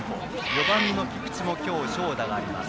４番の菊池も今日、長打があります。